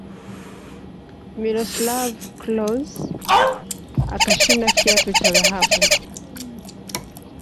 miloslav klose akashinda kiatu cha dhahabu